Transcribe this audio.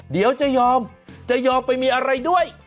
เดี๋ยวจะยอมจะยอมไปมีอะไรด้วย